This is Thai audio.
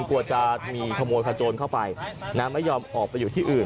กลัวจะมีขโมยขโจรเข้าไปไม่ยอมออกไปอยู่ที่อื่น